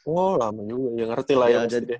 oh lama juga gak ngerti lah ya